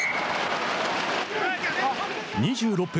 ２６分。